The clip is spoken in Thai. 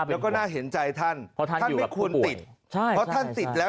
แล้วก็น่าเห็นใจท่านเพราะท่านท่านไม่ควรติดใช่เพราะท่านติดแล้ว